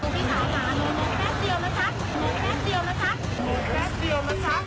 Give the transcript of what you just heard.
ผมมีสายหมาโน่นแค่เดียวนะครับ